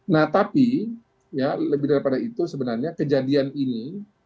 nah tapi ya lebih daripada itu sebenarnya kejadian ini